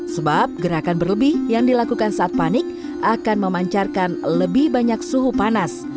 sebab gerakan berlebih yang dilakukan saat panik akan memancarkan lebih banyak suhu panas